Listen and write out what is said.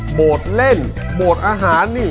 โหมดเล่นโหมดอาหาร